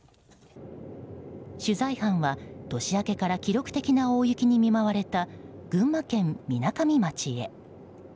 取材班は、年明けから記録的な大雪に見舞われた群馬県みなかみ町へ。